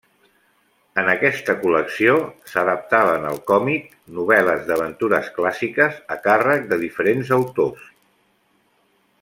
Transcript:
En aquesta col·lecció s'adaptaven al còmic, novel·les d'aventures clàssiques a càrrec de diferents autors.